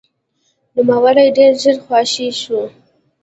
نوموړی ډېر ژر خوشې شو.